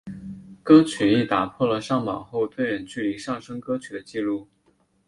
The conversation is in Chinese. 歌曲亦打破了上榜后最远距离上升歌曲的记录。